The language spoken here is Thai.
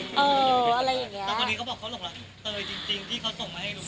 แต่วันนี้เขาบอกเขาหรอกล่ะเตยจริงที่เขาส่งมาให้ลูกดู